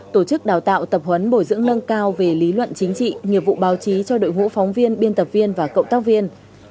tổ chức đào tạo tập huấn bồi dưỡng nâng cao về lý luận chính trị nghiệp vụ báo chí cho đội ngũ phóng viên biên tập viên và cộng tác viên